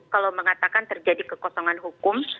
kalau mengatakan terjadi kekosongan hukum